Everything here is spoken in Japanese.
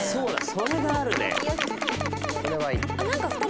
それがあるね。